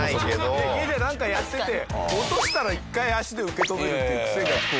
家でなんかやってて落としたら一回足で受け止めるっていうクセがついちゃって。